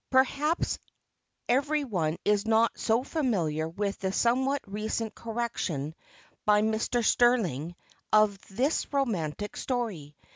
Perhaps every one is not so familiar with the somewhat recent correction by Mr. Stirling of this romantic story.